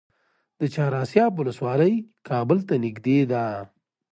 د چهار اسیاب ولسوالۍ کابل ته نږدې ده